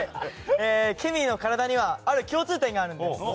ケミーの体にはある共通点があります。